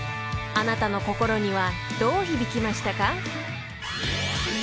あなたの心にはどう響きましたか？］